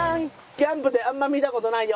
キャンプであんま見た事ないよ。